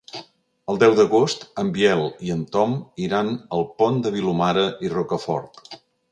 El deu d'agost en Biel i en Tom iran al Pont de Vilomara i Rocafort.